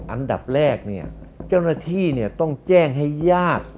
อันดับแรกเนี่ยเจ้าหน้าที่ต้องแจ้งให้ญาติ